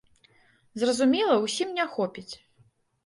Зразумела, усім не хопіць.